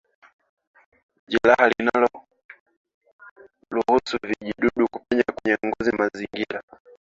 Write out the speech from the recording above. Jeraha linaloruhusu vijidudu kupenya kwenye ngozi na mazingira